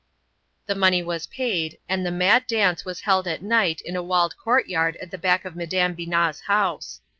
The money was paid, and the mad dance was held at night in a walled courtyard at the back of Madame Binat's house.